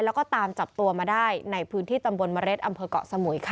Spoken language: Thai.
แล้วก็ตามจับตัวมาได้ในพื้นที่ตำบลเมล็ดอำเภอกเกาะสมุยค่ะ